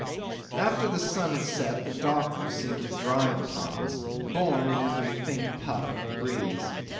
'After the sun had set, the darkness seemed to drive upon us, borne in every faint puff of the breeze.